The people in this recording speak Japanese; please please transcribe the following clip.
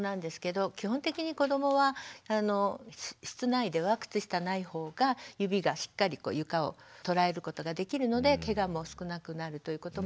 基本的に子どもは室内では靴下ない方が指がしっかり床を捉えることができるのでケガも少なくなるということもあるし。